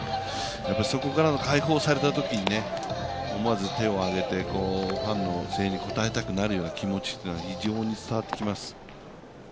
そこからの開放されたときに思わず手を挙げてファンの気持ちに応えたくなる気持ちは非常に伝わってきます。